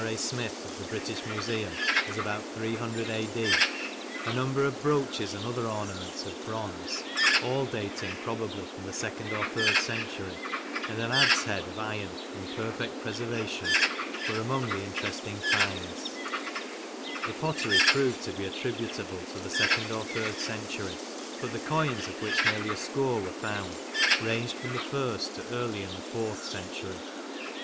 A. Smith, of the British Museum, as about 300 A.D., a number of brooches and other ornaments of bronze, all dating probably from the second , i j j i i j SILVER RING FOUND IN or third century, and an adze head '. MANCHESTER, 1907. of iron in perfect preservation, were among the interesting finds. The pottery proved to be attributable to the second or third century, but the coins, of which nearly a score were found, ranged from the first to early in the fourth century.